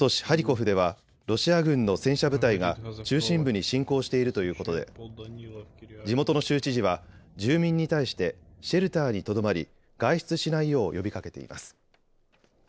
ハリコフではロシア軍の戦車部隊が中心部に侵攻しているということで地元の州知事は住民に対してシェルターにとどまり外出しないよう呼びかけています。